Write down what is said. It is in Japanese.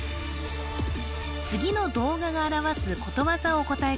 次の動画が表すことわざをお答え